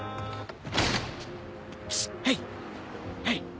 はい？